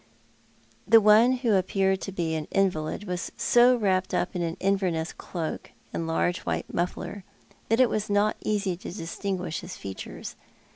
The one who appeared to be an invalid was so wrapped up in an Inverness cloak and large white muffler that it was not easy to distinguish his features.